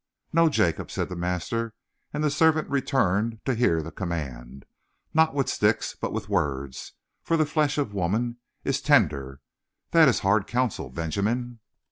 "No, Jacob," said the master, and the servant returned to hear the command. "Not with sticks. But with words, for flesh of women is tender. This is hard counsel, Benjamin!"